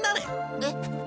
えっ？